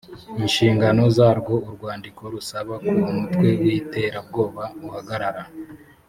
inshingano zarwo urwandiko rusaba ko umutwe w’iterabwoba uhagarara